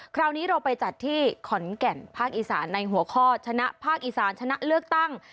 คราวนี้เราไปจัดที่ขอนแก่นภาคอีสานในหัวข้อชนะภาคอีสานชนะเลือกตั้ง